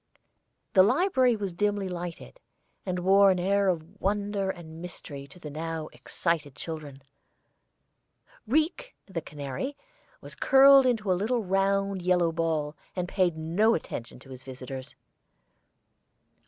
The library was dimly lighted, and wore an air of wonder and mystery to the now excited children. Rique, the canary, was curled into a little round yellow ball, and paid no attention to his visitors.